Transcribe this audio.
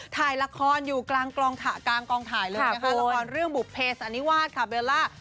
ถ่ายละครอยู่กลางกลองถะกลางกองถ่ายเลยนะคะละครเรื่องบุปเพจอันนี้วาดค่ะเบลล่า